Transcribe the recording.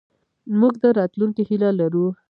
موږ د راتلونکې هیله لرو.